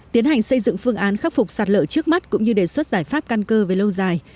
tiến hành xây dựng phương án khắc phục sạt lở trước mắt cũng như đề xuất giải pháp căn cơ về lâu dài